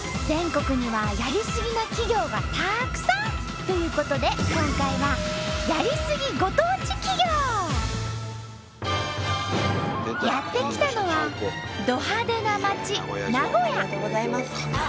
全国にはやりすぎな企業がたくさん！ということで今回はやって来たのはド派手な街名古屋。